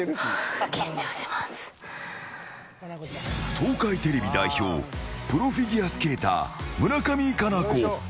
東海テレビ代表プロフィギュアスケーター村上佳菜子。